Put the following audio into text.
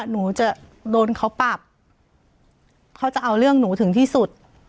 หนูจะโดนเขาปรับเขาจะเอาเรื่องหนูถึงที่สุด